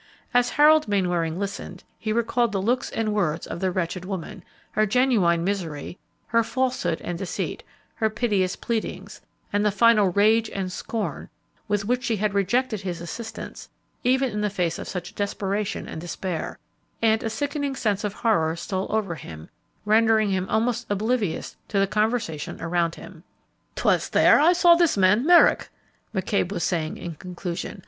As Harold Mainwaring listened, he recalled the looks and words of the wretched woman, her genuine misery, her falsehood and deceit, her piteous pleadings, and the final rage and scorn with which she had rejected his assistance even in the face of such desperation and despair; and a sickening sense of horror stole over him, rendering him almost oblivious to the conversation around him. "'Twas there I saw this man Merrick," McCabe was saying in conclusion.